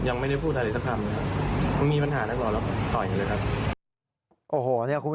ยังไม่ได้พูดอะไรสักครั้งเลยครับมึงมีปัญหานักเหรอแล้วต่ออย่างนี้เลยครับ